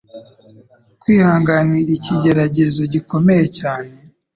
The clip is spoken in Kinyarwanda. kwihanganira ikigeragezo gikomeye cyane.